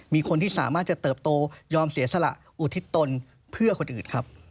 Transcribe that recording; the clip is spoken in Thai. มีคนที่สามารถจะเติบโตยอมเสียสละอุทิศตนเพื่อคนอื่นครับ